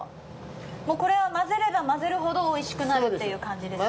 もうコレは混ぜれば混ぜるほどオイシくなるっていう感じですか？